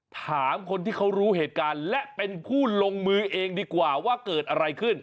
ถามคนที่เขารู้เหตุการณ์และเป็นผู้ลงมือเองดีกว่าว่าเกิดอะไรขึ้น